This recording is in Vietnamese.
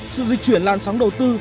sự di chuyển lan sóng đầu tư